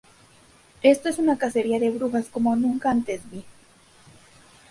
Esto es una cacería de brujas como nunca antes vi.